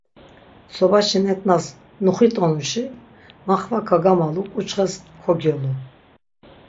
Sobaşi nek̆nas nuxit̆onuşi maxva kagamalu, k̆uçxes kogyolu.